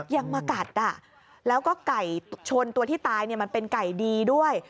มากัดแล้วก็ไก่ชนตัวที่ตายมันเป็นไก่ดีด้วย